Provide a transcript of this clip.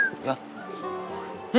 sekali lagi terima kasih pak